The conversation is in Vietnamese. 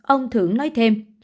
ông thưởng nói thêm